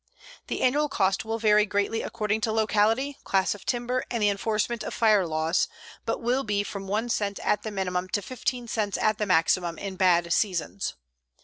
The annual cost will vary greatly according to locality, class of timber, and the enforcement of fire laws, but will be from 1 cent at the minimum to 15 cents at the maximum in bad seasons.